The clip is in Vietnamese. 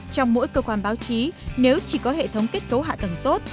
trong mỗi cơ quan báo chí nếu chỉ có hệ thống kết cấu hạ tầng tốt